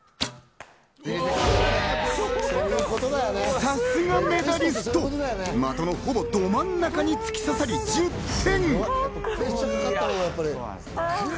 さすがメダリスト！的のほぼど真ん中に突き刺さり、１０点。